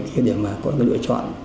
thì để mà có cái lựa chọn